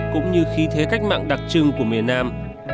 cũng như khí thế cách mạng đặc trưng của miền nam